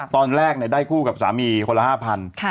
ตอนแรกได้คู่กับสามีคนละ๕๐๐บาท